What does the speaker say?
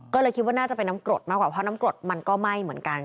ก็เลยคิดว่าน่าจะเป็นน้ำกรดมากกว่าเพราะน้ำกรดมันก็ไหม้เหมือนกัน